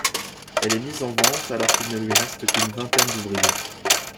Elle est mise en vente alors qu'il ne lui reste qu'une vingtaine d'ouvriers.